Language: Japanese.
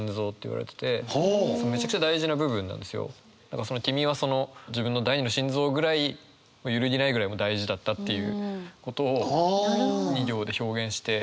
だから「君」はその自分の第二の心臓ぐらい揺るぎないぐらい大事だったっていうことを２行で表現して。